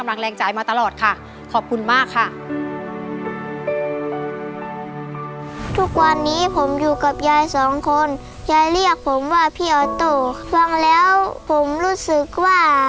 บางแล้วผมรู้สึกว่า